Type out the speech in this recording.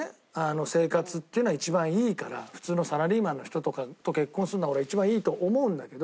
生活っていうのが一番いいから普通のサラリーマンの人とかと結婚するのが俺は一番いいと思うんだけど。